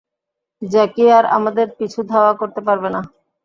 জ্যাকি আর আমাদের পিছু ধাওয়া করতে পারবে না!